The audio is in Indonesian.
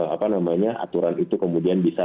apa namanya aturan itu kemudian bisa